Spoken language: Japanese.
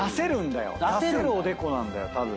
出せるおでこなんだよたぶん。